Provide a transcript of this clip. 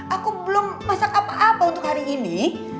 aku belum masak apa apa untuk hari ini